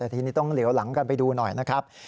แต่ทีนี้ต้องเหลียวหลังกันไปดูหน่อยนะครับ